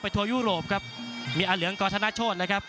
ทัวร์ยุโรปครับมีอาเหลืองกอธนโชธนะครับ